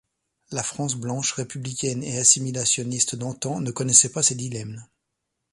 La France blanche, républicaine et assimilationniste d’antan ne connaissait pas ces dilemmes.